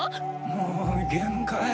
もう限界！